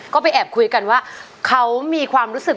ก็ไปแอบคุยกันว่าเขามีความรู้สึก